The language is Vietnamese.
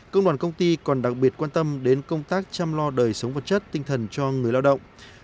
công đoàn công ty còn đặc biệt quan tâm đến công tác chăm lo đời sống vật chất tinh thần cho người lao động